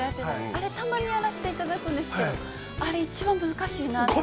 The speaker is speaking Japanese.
あれ、たまにやらせていただくんですけど、あれ、一番難しいなあって。